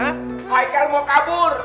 haikal mau kabur